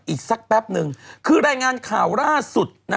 อีกสักแป๊บนึงคือรายงานข่าวล่าสุด